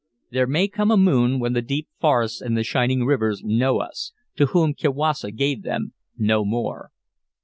There may come a moon when the deep forests and the shining rivers know us, to whom Kiwassa gave them, no more."